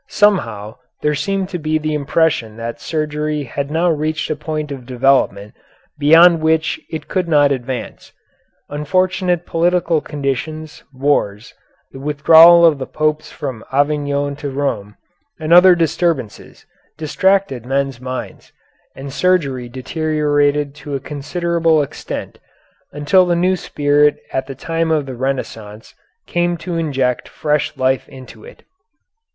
Somehow there seemed to be the impression that surgery had now reached a point of development beyond which it could not advance. Unfortunate political conditions, wars, the withdrawal of the Popes from Avignon to Rome, and other disturbances, distracted men's minds, and surgery deteriorated to a considerable extent, until the new spirit at the time of the Renaissance came to inject fresh life into it.